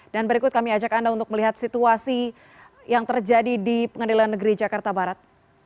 dan berikut kami ajak anda untuk melihat situasi yang terjadi di pengadilan negeri jakarta barat